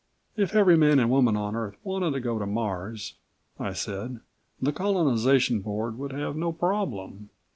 "If every man and woman on Earth wanted to go to Mars," I said, "the Colonization Board would have no problem.